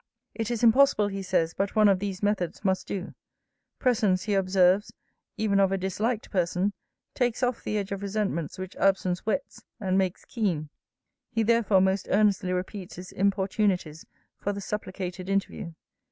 'It is impossible, he says, but one of these methods must do. Presence, he observes, even of a disliked person, takes off the edge of resentments which absence whets, and makes keen. 'He therefore most earnestly repeats his importunities for the supplicated interview.'